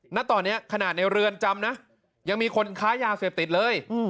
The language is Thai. ณตอนนี้ขนาดในเรือนจำนะยังมีคนค้ายาเสพติดเลย